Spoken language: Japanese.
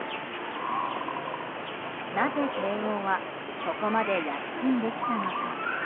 なぜ、慶應はここまで躍進できたのか。